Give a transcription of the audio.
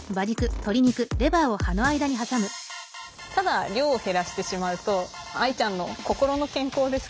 ただ量を減らしてしまうと愛ちゃんの心の健康ですかね。